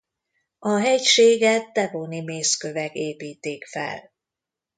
A hegységet devoni mészkövek építik fel.